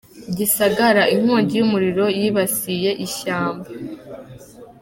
Gisagara : Inkongi y’umuriro yibasiye ishyamba.